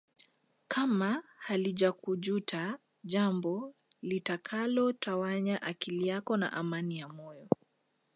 Kama halijakujuta jambo litakalo tawanya akili yako na amani ya moyo